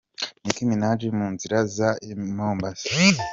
Nicki Minaj mu nzira aza i Mombasa.